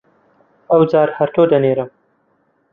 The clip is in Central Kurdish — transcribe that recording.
ئەوجار هەر تۆ دەنێرم!